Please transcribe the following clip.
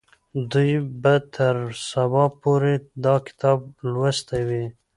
دوی به تر سبا پورې دا کتاب لوستی وي.